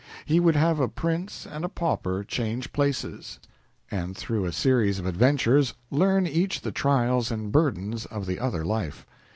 He would have a prince and a pauper change places, and through a series of adventures learn each the trials and burdens of the other life.